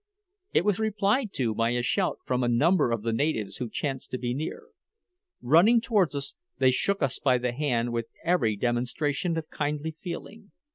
It was replied to by a shout from a number of the natives who chanced to be near. Running towards us, they shook us by the hand with every demonstration of kindly feeling.